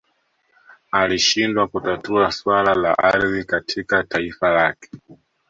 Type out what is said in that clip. Alishindwa kutatua swala la ardhi katika taifa lake